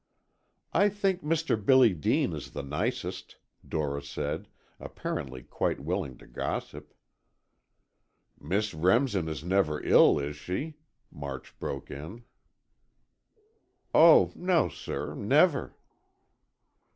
"I think Mr. Billy Dean is the nicest," Dora said, apparently quite willing to gossip. "Miss Remsen is never ill, is she?" March broke in. "Oh, no, sir, never."